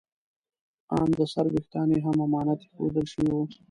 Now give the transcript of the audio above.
ان د سر ویښتان یې هم امانت ایښودل شوي وو.